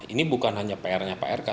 ini bukan hanya pr nya pr kak